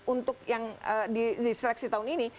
untuk yang diseleksi tahun ini